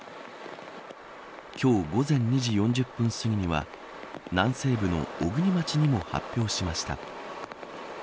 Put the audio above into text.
今日、午前２時４０分すぎには南西部の小国町にも発表しました。